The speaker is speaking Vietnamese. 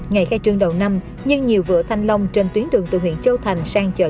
ngày khai trương đầu năm nhưng nhiều vựa thanh long trên tuyến đường từ huyện châu thành sang chợ